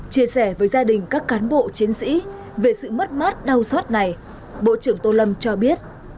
chia sẻ với gia đình các cán bộ chiến sĩ về sự mất mát đau xót này bộ trưởng tô lâm cho biết